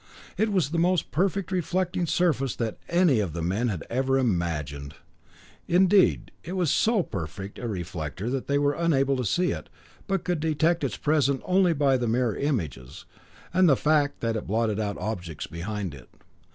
It was the most perfect reflecting surface that any of the men had ever imagined. Indeed, it was so perfect a reflector that they were unable to see it, but could detect its presence only by the mirror images, and the fact that it blotted out objects behind it.